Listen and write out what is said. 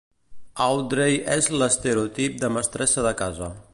Audrey és l'estereotip de mestressa de casa.